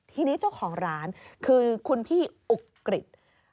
ทีนี้เจ้าของร้านคือคุณพี่อุกกฤษ